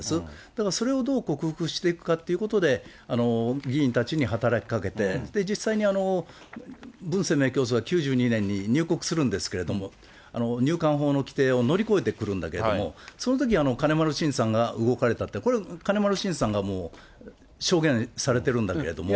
だからそれをどう克服していくかということで、議員たちに働きかけて、実際に文鮮明教祖が９２年に入国するんですけれども、入管法の規定を乗り越えてくるんだけれども、そのとき、金丸信さんが動かれたって、これ、金丸信さんがもう証言されてるんだけれども。